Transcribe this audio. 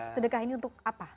sedekah ini untuk apa